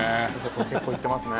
これ結構いってますね。